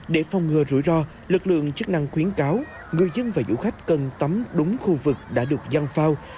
để phòng ngừa rủi ro lực lượng chức năng khuyến cáo người dân và du khách cần tắm đúng khu vực đã được dăn phao